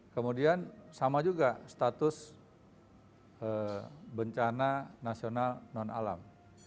kemudian sama juga status bencana nasional non alam